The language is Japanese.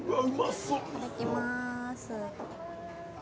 そういただきます